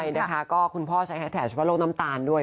ใช่นะคะก็คุณพ่อใช้แฮสแท็กเฉพาะโรคน้ำตาลด้วย